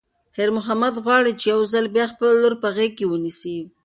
خیر محمد غواړي چې یو ځل بیا خپله لور په غېږ کې ونیسي.